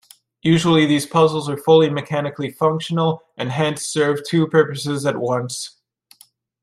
Usually these puzzles are fully mechanically functional and hence serve two purposes at once.